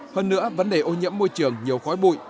hơn nữa vấn đề ô nhiễm môi trường nhiều khói bụi